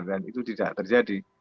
dan itu tidak terjadi